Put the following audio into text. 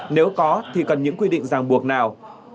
nếu có thì cần những quy định ràng buộc nào